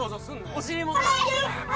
お尻も。